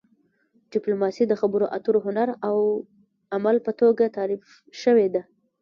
ډیپلوماسي د خبرو اترو هنر او عمل په توګه تعریف شوې ده